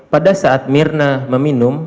pada saat mirna meminum